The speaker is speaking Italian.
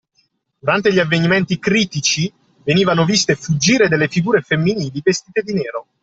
Durante gli avvenimenti critici, venivano viste fuggire delle figure femminili vestite di nero.